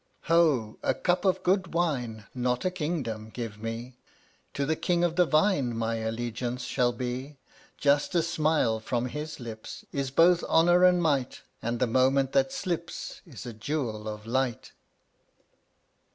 129 Ho! a cup of good wine, (T^tttAt* Not a kingdom, give me. TL To the King of the Vine (JU? My allegiance shall be. KUYlfr Just a smile from his lips J Is both honor and might, And the moment that slips Is a jewel of light.